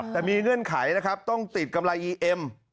แต่มีเงื่อนไขนะครับต้องติดกำไรอีเอ็ม